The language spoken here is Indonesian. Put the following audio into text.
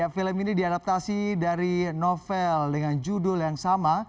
film ini diadaptasi dari novel dengan judul yang sama